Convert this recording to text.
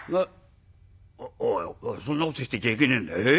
「おいそんなことしてちゃいけねえんだよ。